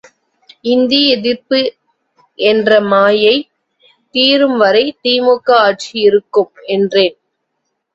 இந்தி எதிர்ப்பு என்ற மாயை தீரும்வரை தி.மு.க.ஆட்சி இருக்கும், என்றேன்.